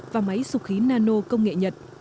và máy sục khí nano công nghệ nhật